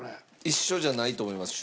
一緒じゃないと思います